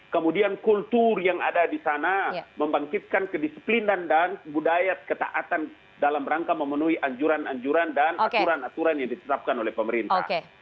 kemudian kultur yang ada di sana membangkitkan kedisiplinan dan budaya ketaatan dalam rangka memenuhi anjuran anjuran dan aturan aturan yang ditetapkan oleh pemerintah